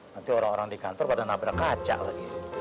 nanti orang orang di kantor pada nabrak kaca lagi